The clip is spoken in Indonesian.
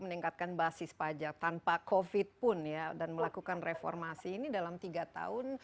meningkatkan basis pajak tanpa covid pun ya dan melakukan reformasi ini dalam tiga tahun